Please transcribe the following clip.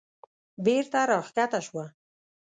بېرته راکښته شوه.